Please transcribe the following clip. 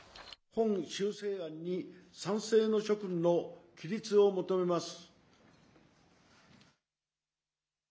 本修正案に賛成の諸君の起立を求めます。